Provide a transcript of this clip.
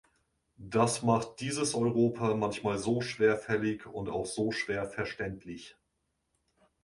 Das macht dieses Europa manchmal so schwerfällig und auch so schwer verständlich.